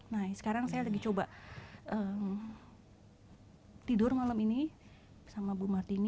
nah sekarang saya lagi coba tidur malam ini sama bu martini